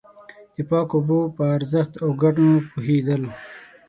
د پاکو اوبو په ارزښت او گټو پوهېدل.